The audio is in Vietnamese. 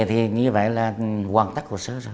thì như vậy là hoàn tất cuộc sống